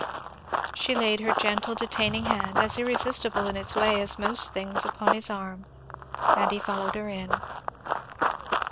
She laid her gentle detaining hand, as irresistible in its way as most things, upon his arm, and he followed her in.